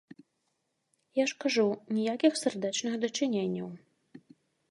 Я ж кажу, ніякіх сардэчных дачыненняў.